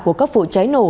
của các vụ cháy nổ